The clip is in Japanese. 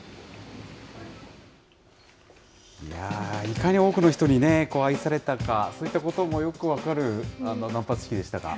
いかに多くの人に愛されたか、そういったこともよく分かる断髪式でしたが。